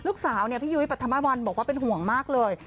ลูกสาวพี่ยุวิปัธมาวันบอกว่าเป็นห่วงมากเลย